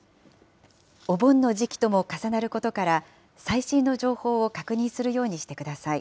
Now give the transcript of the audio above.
お盆の時期とも重なることから、最新の情報を確認するようにしてください。